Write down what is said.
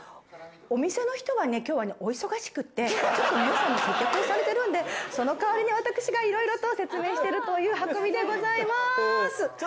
お店の人はね今日はお忙しくってちょっと皆さん接客されてるんでその代わりに私がいろいろと説明してるという運びでございます。